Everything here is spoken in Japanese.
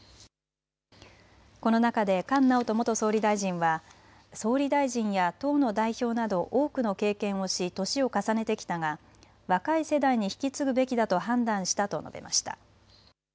この中で菅直人元総理大臣は総理大臣や党の代表など多くの経験をし年を重ねてきたが若い世代に引き継ぐべきだと判断したと述べました。